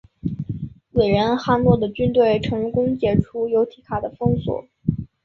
伟人汉诺的军队成功解除由提卡的封锁。